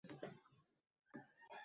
Yaxshi kitobni oʻqiyman